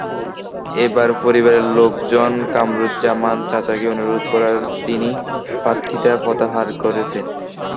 এবার পরিবারের লোকজন কামরুজ্জামান চাচাকে অনুরোধ করায় তিনি প্রার্থিতা প্রত্যাহার করেছেন।